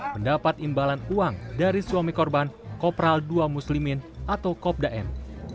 mendapat imbalan uang dari suami korban kopral ii muslimin atau kopda m